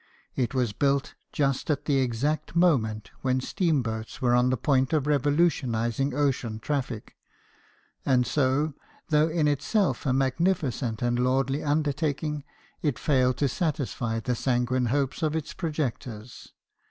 It was built just at the exact moment when steamboats were on the point of revolutionizing ocean traffic ; and so, though in itself a magnificent and lordly undertaking, it failed to satisfy the sanguine hopes of its pro jectors.